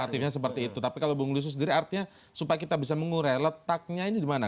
normatifnya seperti itu tapi kalau bung liusus sendiri artinya supaya kita bisa mengurangi letaknya ini dimana